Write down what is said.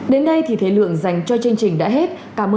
đến đây thì thế lượng dành cho chương trình đã hết